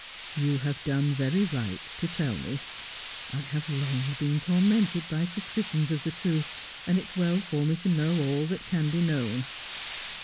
'You have done very right to tell me. I have long been tormented by suspicions of the truth, and it is well for me to know all that can be known.